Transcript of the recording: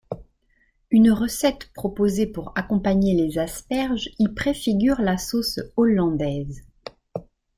Une recette proposée pour accompagner les asperges y préfigure la sauce hollandaise.